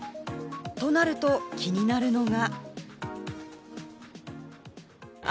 となると気になるのが。